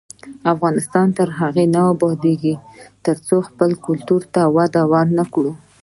افغانستان تر هغو نه ابادیږي، ترڅو خپل کلتور ته وده ورنکړو.